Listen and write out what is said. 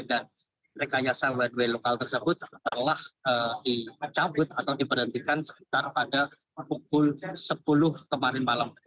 dan rekayasa one way lokal tersebut telah dicabut atau diberhentikan sekitar pada pukul sepuluh kemarin malam